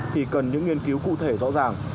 thì cần những nghiên cứu cụ thể rõ ràng